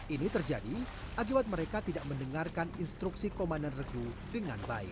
ini terjadi akibat mereka tidak mendengarkan instruksi komandan regu dengan baik